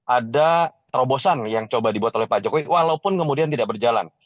ada terobosan yang coba dibuat oleh pak jokowi walaupun kemudian tidak berjalan